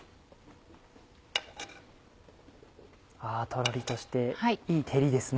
とろりとしていい照りですね。